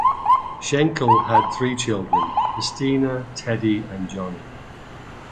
Schenkel had three children, Christina, Teddy, and Johnny.